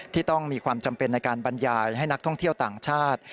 ที่ต้องมีความจำเป็นในการบรรยายให้นักท่องเที่ยวต่างชาติ